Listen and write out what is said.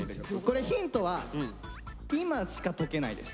これヒントは今しか解けないです。